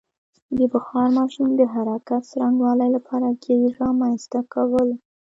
د بخار ماشین د حرکت څرنګوالي لپاره ګېر رامنځته کول.